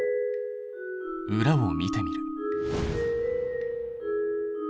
裏を見てみる。